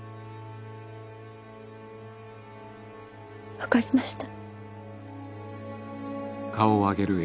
分かりました。